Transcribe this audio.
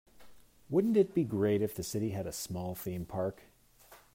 Wouldn't it be great if the city had a small theme park?